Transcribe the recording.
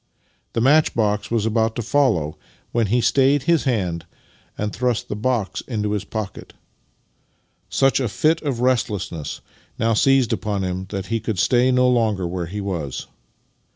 The match box was about to follow it, when he stayed his hand, and thrust the box into his pocket. Such a fit of restlessness now seized upon him that he could stay no longer where he was.